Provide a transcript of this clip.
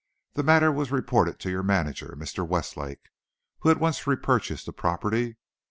The matter was reported to your manager, Mr. Westlake, who at once repurchased the property.